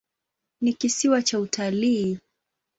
Ni kisiwa cha utalii.